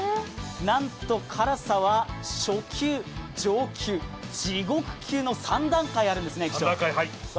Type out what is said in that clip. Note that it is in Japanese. なんと辛さは初級、上級、地獄級の３段階あるんですね。